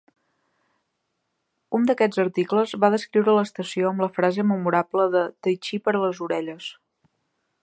Un d'aquests articles va descriure l'estació amb la frase memorable de "Tai chi per a les orelles".